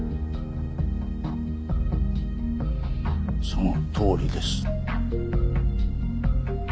そのとおりです。